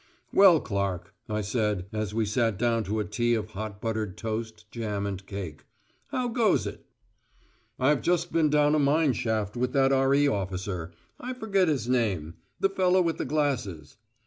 "Well, Clark," I said, as we sat down to a tea of hot buttered toast, jam and cake. "How goes it?" "I've just been down a mine shaft with that R.E. officer, I forget his name the fellow with the glasses."